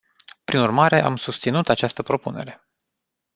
Prin urmare, am susținut această propunere.